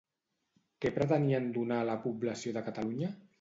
Què pretenien donar a la població de Catalunya?